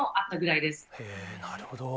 なるほど。